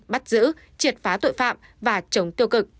bắt giữ triệt phá tội phạm và chống tiêu cực